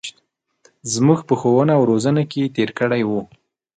زمـوږ په ښـوونه او روزنـه کـې تېـر کـړى و.